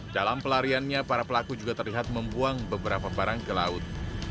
dalam pelariannya para pelaku juga terlihat membuang beberapa barang ke laut